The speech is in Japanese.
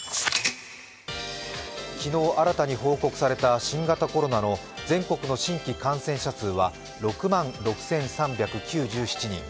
昨日、新たに報告された新型コロナの全国の新規感染者数は６万６３９７人。